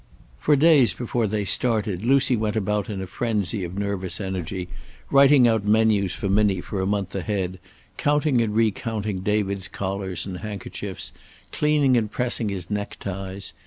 For days before they started Lucy went about in a frenzy of nervous energy, writing out menus for Minnie for a month ahead, counting and recounting David's collars and handkerchiefs, cleaning and pressing his neckties.